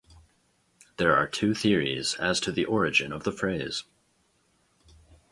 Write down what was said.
There are two theories as to the origin of the phrase.